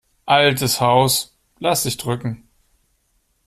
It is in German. Altes Haus, lass dich drücken!